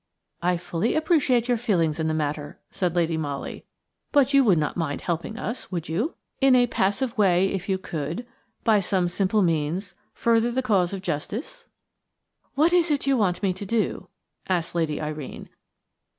"I fully appreciate your feelings in the matter," said Lady Molly, "but you would not mind helping us–would you?–in a passive way, if you could, by some simple means, further the cause of justice." "What is it you want me to do?" asked Lady Irene.